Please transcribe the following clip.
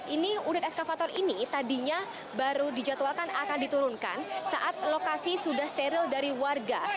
ini unit eskavator ini tadinya baru dijadwalkan akan diturunkan saat lokasi sudah steril dari warga